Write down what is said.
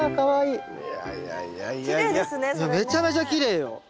いやめちゃめちゃきれいよ。